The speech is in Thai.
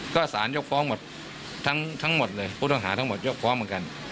ก็สารยกฟ้องหมดทั้งหมดเลยผู้ต้องหาทั้งหมดยกฟ้องเหมือนกัน